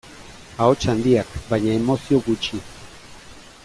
Ahots handiak, baina emozio gutxi.